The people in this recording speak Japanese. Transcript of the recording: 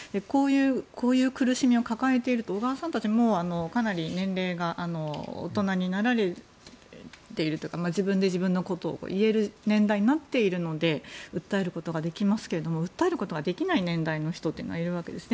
こういう苦しみを抱えていると小川さんたちはかなり年齢が大人になられているというか自分で自分のことを言える年代になっているので訴えることができますけど訴えることができない年代の人はいるわけですね。